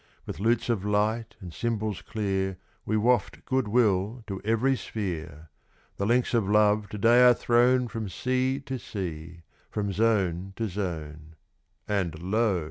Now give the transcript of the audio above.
With lutes of light and cymbals clear We waft goodwill to every sphere. The links of love to day are thrown From sea to sea from zone to zone; And, lo!